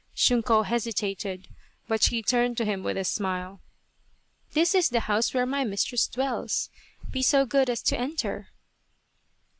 Shunko hesitated, but she turned to him with a smile. " This is the house where my mistress dwells. Be so good as to enter